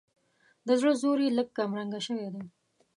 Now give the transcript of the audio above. د زړه زور یې لږ کمرنګه شوی دی.